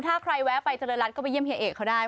ถ้าใครแวะไปจรรย์รัฐก็ไปเยี่ยมพี่แอดเขาได้